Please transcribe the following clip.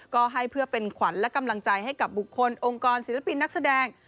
ก็ให้เพื่อเป็นขวัญและกำลังใจให้กับบุคคลองค์กรศิลปินนักแสดง